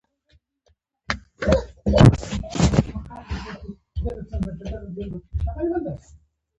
د پښتنو په کلتور کې د دنیا کار د اخرت لپاره دی.